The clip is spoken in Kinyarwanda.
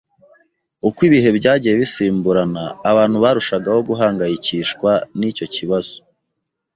Uko ibihe byagiye bisimburana, abantu barushagaho guhangayikishwa nicyo kibazo.